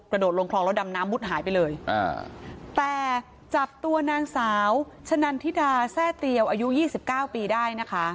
โดดลงคลองแล้วดำน้ำมุดหายไปเลยอ่าแต่จับตัวนางสาวชะนันทิดาแซ่เตียวอายุยี่สิบเก้าปีได้นะคะ